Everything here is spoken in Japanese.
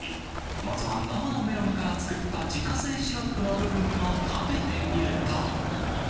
まずは生のメロンから作った自家製シロップの部分を食べてみると。